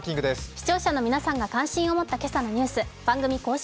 視聴者の皆さんが感心を持った今朝のニュース、番組公式